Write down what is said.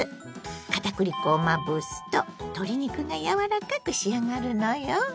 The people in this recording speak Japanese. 片栗粉をまぶすと鶏肉がやわらかく仕上がるのよ。